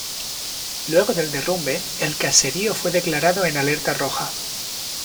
Luego del derrumbe, el caserío fue declarado en Alerta Roja.